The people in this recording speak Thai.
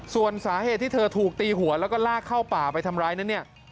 ส่วนสาเหตุที่เธอถูกตีหัวแล้วก็ลากเข้าป่าไปทำร้ายนั้นเนี่ย